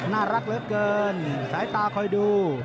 น่ารักเหลือเกินสายตาคอยดู